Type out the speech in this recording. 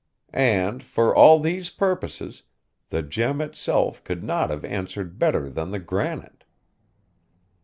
And, for all these purposes, the gem itself could not have answered better than the granite.